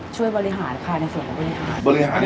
ช่วยบริหารค่ะในส่วนของบริหาร